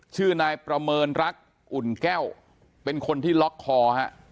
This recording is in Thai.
ชื่อนายประเมินรักอุ่นแก้วเป็นคนที่ล็อกคอฮะ